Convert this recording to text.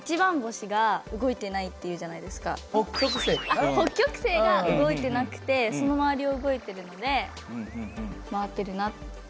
あっ北極星が動いてなくてその周りを動いてるので回ってるなって。